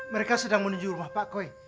mereka sedang menuju rumah pak koi